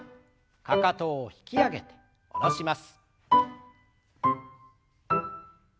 かかとを引き上げて下ろします。